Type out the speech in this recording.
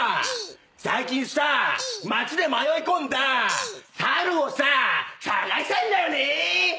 最近さ街で迷い込んだ猿をさ捜したんだよね！